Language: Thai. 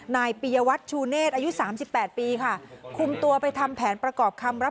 นายปียวัฒน์ชูเนสอายุสามปีที่สามปีค่ะ